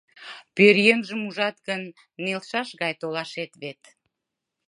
Пӧръеҥжым ужат гын, нелшаш гай толашет вет!